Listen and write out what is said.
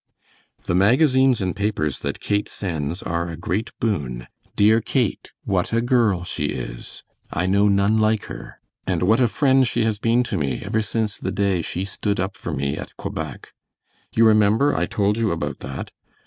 "The magazines and papers that Kate sends are a great boon. Dear Kate, what a girl she is! I know none like her; and what a friend she has been to me ever since the day she stood up for me at Quebec. You remember I told you about that.